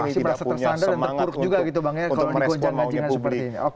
masih merasa tersandar dan terpuruk juga gitu bang ya kalau dikocan kocan seperti ini